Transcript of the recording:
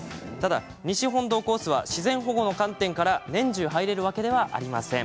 西本洞コースは自然保護の観点から年中入れるわけではありません。